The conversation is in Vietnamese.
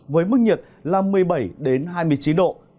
với mức nhiệt là một mươi bảy hai mươi chín độ